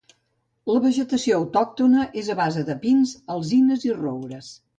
La vegetació autòctona és a base de pins, alzines i roures.